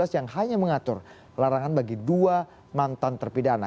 yang hanya mengatur larangan bagi dua mantan terpidana